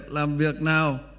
làm việc nào